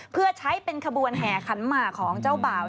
เพื่อใช้เป็นขบวนแห่ขันหมากของเจ้าบ่าว